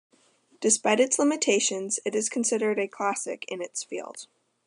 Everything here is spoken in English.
Despite its limitations, it is considered a classic in its field.